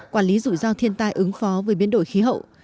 quản lý rủi ro thiên tai ứng phó với biến đổi khí hậu